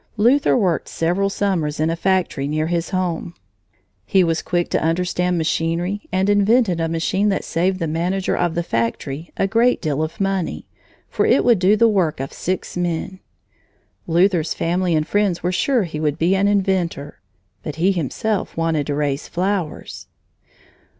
Luther worked several summers in a factory near his home. He was quick to understand machinery and invented a machine that saved the manager of the factory a great deal of money, for it would do the work of six men. Luther's family and friends were sure he would be an inventor. But he himself wanted to raise flowers.